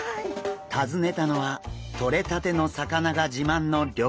訪ねたのはとれたての魚が自慢の料理店。